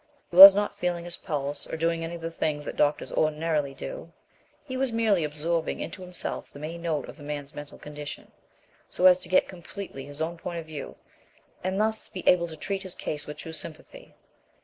He was not feeling his pulse, or doing any of the things that doctors ordinarily do; he was merely absorbing into himself the main note of the man's mental condition, so as to get completely his own point of view, and thus be able to treat his case with true sympathy.